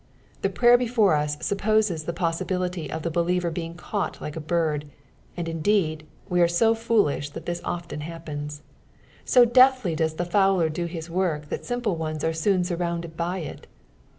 The prayer before us supposes the pnsaibilit; of tlic believer being caught like a bird ; and, indeed, we are so foolish that this often happens. So deftly does the fowler do his work that simple once are soon surrounded by it.